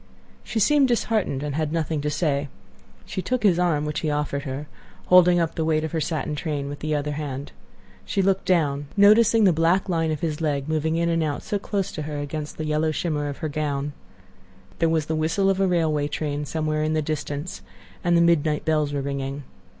She seemed disheartened, and had nothing to say. She took his arm, which he offered her, holding up the weight of her satin train with the other hand. She looked down, noticing the black line of his leg moving in and out so close to her against the yellow shimmer of her gown. There was the whistle of a railway train somewhere in the distance, and the midnight bells were ringing.